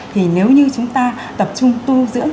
thì nếu như chúng ta tập trung tu dưỡng